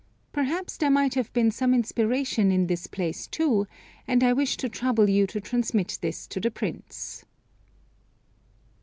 Perhaps there might have been some inspiration in this place, too; and I wish to trouble you to transmit this to the Prince."